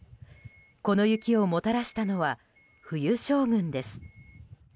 この雪をもたらしたのは冬将軍です。